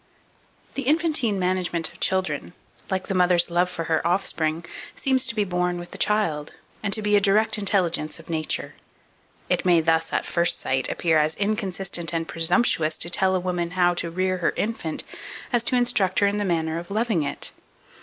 2445. The infantine management of children, like the mother's love for her offspring, seems to be born with the child, and to be a direct intelligence of Nature. It may thus, at first sight, appear as inconsistent and presumptuous to tell a woman how to rear her infant as to instruct her in the manner of loving it.